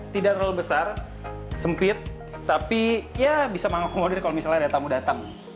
tidak terlalu besar sempit tapi ya bisa mengakomodir kalau misalnya ada tamu datang